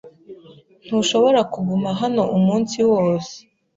Ntushobora kuguma hano umunsi wose.